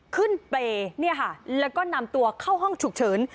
ขึ้นไปแล้วก็นำตัวเข้าห้องฉุกเชิญ